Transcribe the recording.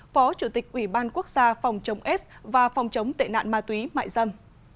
phó chủ tịch ủy ban quốc gia phòng chống s và phòng chống tệ nạn ma túy mại dâm